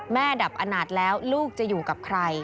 ดับอนาจแล้วลูกจะอยู่กับใคร